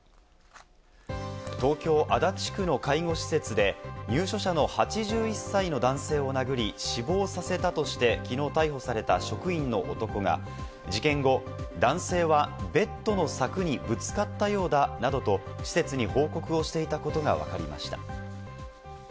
東京・足立区の介護施設で入所者の８１歳の男性を殴り死亡させたとして、きのう逮捕された職員の男が事件後、男性はベッドの柵にぶつかったようだなどと施設に報告をしていたことがわかりました。